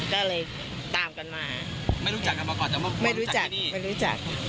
ก็เลยตามกันมาไม่รู้จักกันมาก่อนแต่ว่าไม่รู้จักไม่รู้จัก